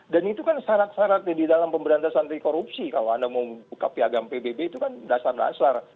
dan itu kan syarat syaratnya di dalam pemberantasan antikorupsi kalau anda mau buka piagam pbb itu kan dasar dasar